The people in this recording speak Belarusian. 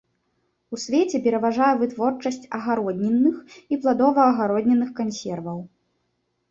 У свеце пераважае вытворчасць агароднінных і пладова-агароднінных кансерваў.